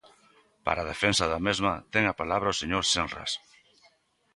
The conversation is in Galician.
Para a defensa da mesma ten a palabra o señor Senras.